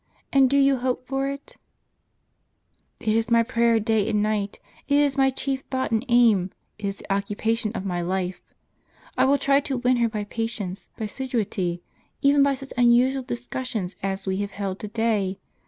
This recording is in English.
" And do you hope for it ?" "It is my prayer day and night ; it is my chief thought and aim ; it is the occupation of my life. I will try to win her by patience, by assiduity, even by such unusual discussions as we have held to day.